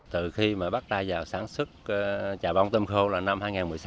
từ khi mà bắt ta vào sản xuất chà bông tôm khô là năm hai nghìn một mươi sáu